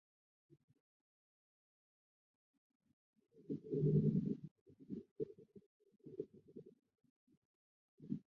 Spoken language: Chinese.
松山天宝圣道宫历史沿革